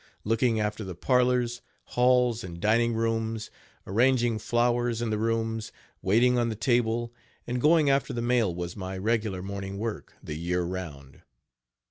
Looking after the parlors, halls and dining rooms, arranging flowers in the rooms, waiting on the table, and going after the mail was my regular morning work, the year round.